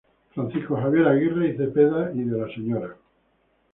Francisco Javier Aguirre y Cepeda y de la Sra.